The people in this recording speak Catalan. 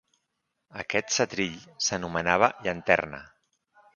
Aquest setrill s’anomenava llanterna.